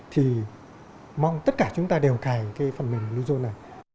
thì mong tất cả chúng ta đều cài cái phần mềm bluezone này